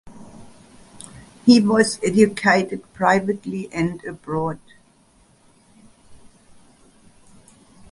He was educated privately and abroad.